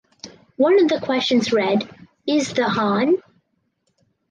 One of the questions read ""Is the Hon.